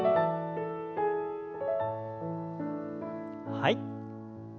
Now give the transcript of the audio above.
はい。